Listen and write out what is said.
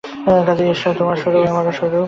কাজেই ঈশ্বরই তোমার স্বরূপ, আমারও স্বরূপ।